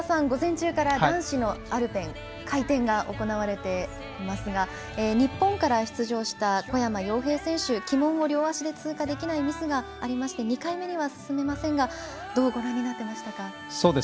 午前中から男子のアルペン回転が行われていますが日本から出場した小山陽平選手、旗門を両足で通過できないミスがありまして２回目には進めませんがどうご覧になってましたか？